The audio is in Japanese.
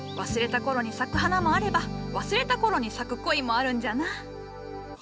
忘れた頃に咲く花もあれば忘れた頃に咲く恋もあるんじゃな。